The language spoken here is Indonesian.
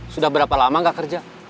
sudah berapa lama gak kerja